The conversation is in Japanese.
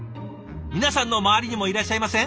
皆さんの周りにもいらっしゃいません？